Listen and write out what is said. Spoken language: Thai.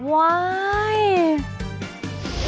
ไว้ยยย